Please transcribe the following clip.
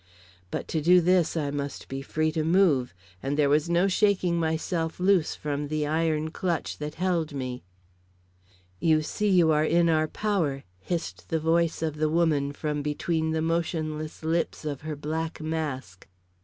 But to do this I must be free to move, and there was no shaking myself loose from the iron clutch that held me. "You see you are in our power," hissed the voice of the woman from between the motionless lips of her black mask.